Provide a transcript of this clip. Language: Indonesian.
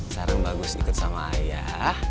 sarung bagus ikut sama ayah